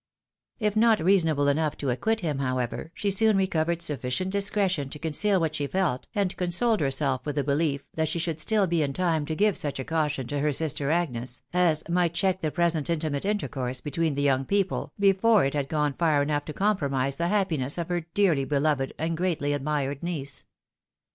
If not reasonable enough to acquit liim, however, she soon recovered sufficient discretion to conceal what she felt, and con soled herself with the behef that she should still be in time to give such a caution to her sister Agnes, as might check the pre sent intimate intercourse between the young people, before it had gone far enough to compromise the happiness of her dearly beloved, and greatly admired niece.